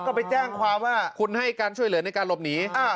ก็ไปแจ้งความว่าคุณให้การช่วยเหลือในการหลบหนี